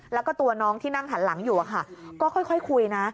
แล้วก็ตัวน้องที่นั่งหันหลังอยู่ก็ค่อยคุยนะ